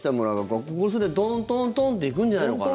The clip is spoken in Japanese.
ここでトントントンっていくんじゃないのかなって。